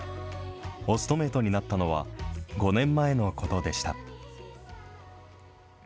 オストメイトになったのは、５年前のことでした。